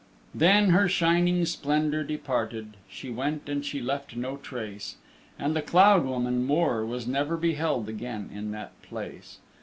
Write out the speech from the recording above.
Then her shining splendor departed: She went, and she left no trace, And the Cloud woman, Mor, was never Beheld again in that place.